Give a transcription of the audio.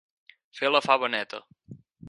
Fer la fava neta.